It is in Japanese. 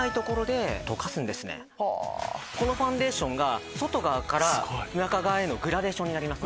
このファンデーションが外側から中側へのグラデーションになります。